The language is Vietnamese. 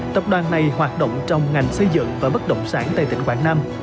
tập đoàn này hoạt động trong ngành xây dựng và bất động sản tại tỉnh quảng nam